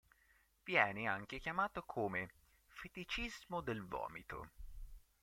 Viene anche chiamato come "feticismo del vomito".